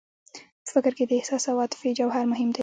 په فکر کې د احساس او عاطفې جوهر مهم دی